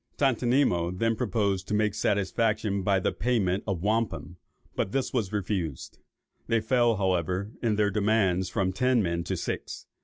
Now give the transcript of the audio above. Tontonimo then proposed to make satisfaction by the payment of wampum, but it was refused. They fell, however, in their demands from ten men to six.